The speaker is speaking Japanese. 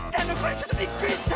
ちょっとびっくりした！